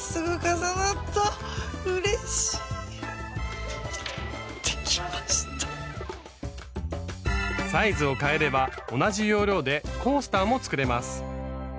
サイズを変えれば同じ要領でコースターも作れます。